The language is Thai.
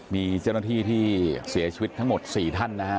มีเจ้าหน้าที่ที่เสียชีวิตทั้งหมด๔ท่านนะฮะ